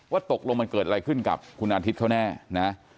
ตกลงมันเกิดอะไรขึ้นกับคุณอาทิตย์เขาแน่นะ